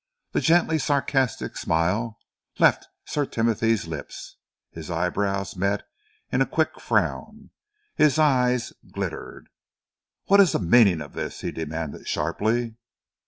The gently sarcastic smile left Sir Timothy's lips. His eyebrows met in a quick frown, his eyes glittered. "What is the meaning of this?" he demanded sharply.